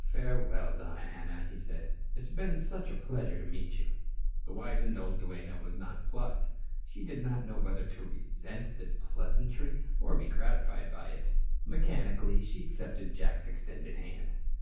"Farewell, Donna Ana," he said. "It's been such a pleasure to meet you." The wizened old duenna was nonplussed. She did not know whether to resent this pleasantry or be gratified by it. Mechanically she accepted Jack's extended hand.